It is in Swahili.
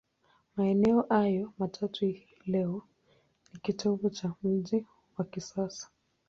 Maeneo hayo matatu leo ni kitovu cha mji wa kisasa.